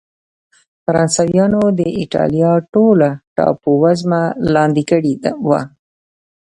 فرانسویانو د اېټالیا ټوله ټاپو وزمه لاندې کړې وه.